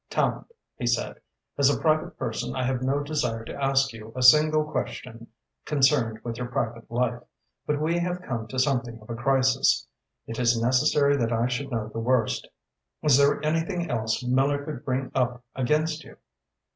"Tallente," he said, "as a private person I have no desire to ask you a single question concerned with your private life, but we have come to something of a crisis. It is necessary that I should know the worst. Is there anything else Miller could bring up against you?"